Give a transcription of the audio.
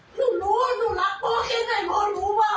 หนูรู้หนูรักพ่อแค่ใจพ่อรู้เปล่า